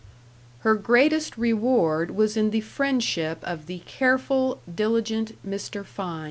Her greatest reward was in the friendship of the careful, diligent Mr. Fein.